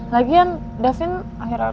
lagian yatin akhir akhir installing